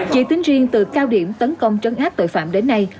chỉ tính riêng từ cao điểm tấn công trấn áp tội phạm đến nay